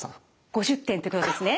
５０点ってことですね。